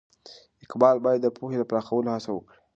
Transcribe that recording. اقبال باید د پوهې د پراخولو هڅه وکړي.